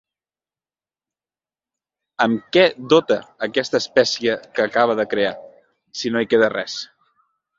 Amb què dote aquesta espècie que acabe de crear, si no hi queda res?